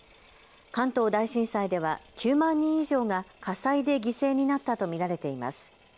関東大震災では９万人以上が火災で犠牲になったと見られています。